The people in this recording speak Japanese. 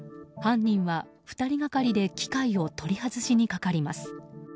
犯人は２人がかりで機械を取り外しにかかります。